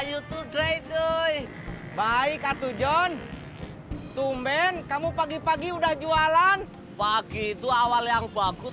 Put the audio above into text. woi youtube drei cuy baik atau john tumen kamu pagi pagi udah jualan pagi itu awal yang bagus